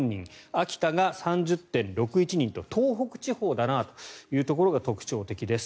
秋田が３０．６１人と東北地方だなというところが特徴的です。